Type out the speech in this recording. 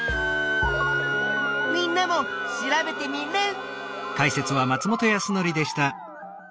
みんなも調べテミルン！